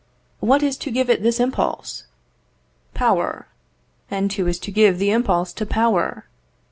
What is to give it this impulse? Power. And who is to give the impulse to power?